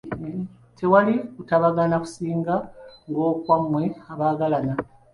Tewali kutabagana kusinga ng’okwammwe abaagalana.